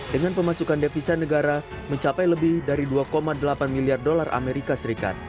dengan pemasukan devisa negara mencapai lebih dari dua delapan miliar dolar amerika serikat